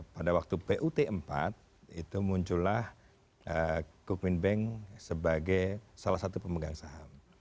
pada waktu put empat itu muncullah kukmin bank sebagai salah satu pemegang saham